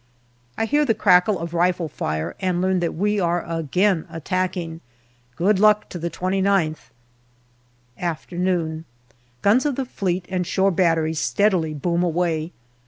I hear the crackle oi rifle fire and learn that we are again attacking. Good luck to the 2Qth ! MAY 69 Afternoon. Guns of the Fleet and shore batteries steadily boom away.